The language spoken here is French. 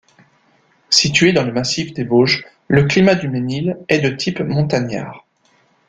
Situé dans le Massif des Vosges, le climat du Ménil est de type montagnard.